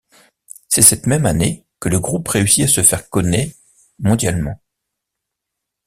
C'est cette même année que le groupe réussit à se faire connait mondialement.